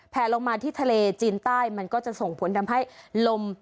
ลงมาที่ทะเลจีนใต้มันก็จะส่งผลทำให้ลม